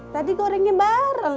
tadi gorengnya bareng